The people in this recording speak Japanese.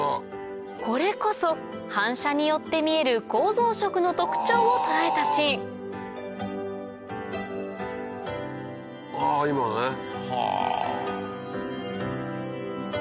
これこそ反射によって見える構造色の特徴を捉えたシーンあ今のねは。